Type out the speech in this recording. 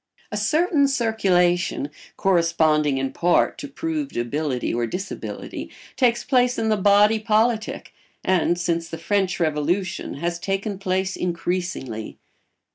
A certain circulation, corresponding in part to proved ability or disability, takes place in the body politic, and, since the French Revolution, has taken place increasingly.